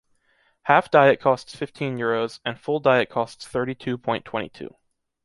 Half diet costs fifteen euros, and full diet costs thirty-two point twenty-two.